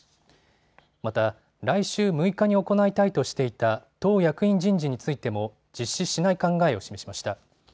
また来週６日に行いたいとしていた党役員人事についても実施しない考えを示しました。